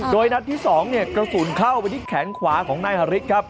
โดยนัดที่๒กระสุนเข้าไปที่แขนขวาของนายฮาริสครับ